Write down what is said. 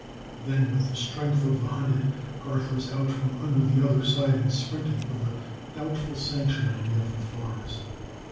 Then, with the strength of the hunted, Garth was out from under the other side and sprinting for the doubtful sanctuary of the forest.